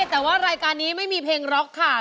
แต่ว่ารายการนี้ไม่มีเพลงร็อกค่ะ